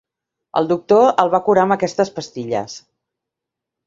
El doctor el va curar amb aquestes pastilles.